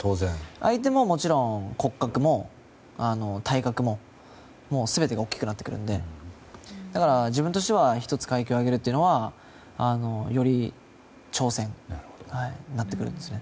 相手ももちろん骨格も体格も全てが大きくなってくるので自分としては１つ階級を上げるというのはより挑戦になってくるんですね。